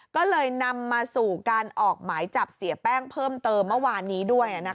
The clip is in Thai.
ก็เลยนำมาสู่การออกหมายจับเสียแป้งเพิ่มเติมเมื่อวานนี้ด้วย